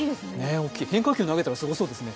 変化球投げたらすごそうですね。